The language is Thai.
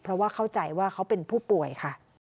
เพราะว่าเข้าใจว่าเขาเป็นผู้ป่วยค่ะ